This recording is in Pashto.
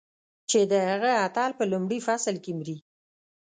چې د هغه اتل په لومړي فصل کې مري.